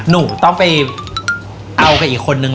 หนูต้องไปเอากับอีกคนนึง